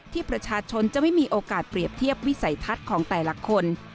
ที่ประชาชนจะไม่มีโอกาสเปรียบเทียบวิสัยทัศน์ของแต่ละคน